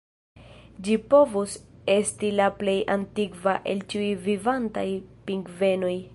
Ĝi povus esti la plej antikva el ĉiuj vivantaj pingvenoj.